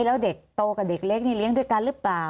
แล้วเด็กโตกับเด็กเล็กนี่เลี้ยงด้วยกันหรือเปล่า